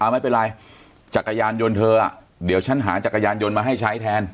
ไม่เป็นไรจักรยานยนต์เธอเดี๋ยวฉันหาจักรยานยนต์มาให้ใช้แทน